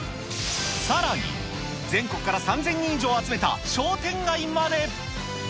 さらに全国から３０００人以上集めた商店街まで。